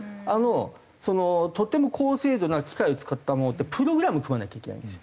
そのとても高精度な機械を使ったものってプログラム組まなきゃいけないんですよ。